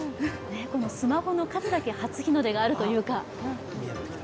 スマホの数だけ初日の出があるというか。